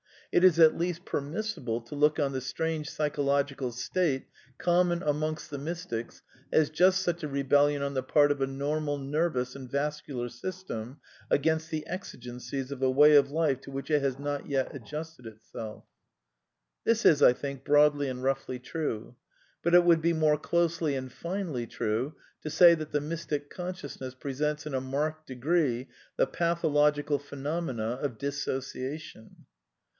••• It is at least permissible to look on the strange psychological state conunon amongst the mystics as just such a rebellion on the part of a normal neryous and vascular system against the exigencies of a way of life to which it has not yet adjusted itself." iMystidsfn, pp. 73, 74.) This is, I think, broadly and roughly true. But it would be more closelj and finely true to say that the mysti consciousness presents in a marked degree the pathological phenomena of ^' dissociation."